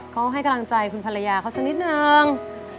เขาให้กำลังใจคุณภรรยาเขาสักนิดนึง